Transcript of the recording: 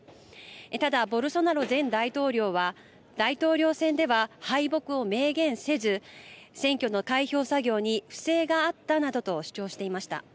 ただ、ボルソナロ前大統領は大統領選では敗北を明言せず選挙の開票作業に不正があったなどと主張していました。